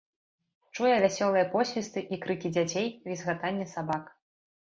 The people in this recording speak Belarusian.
Чуе вясёлыя посвісты і крыкі дзяцей, візгатанне сабак.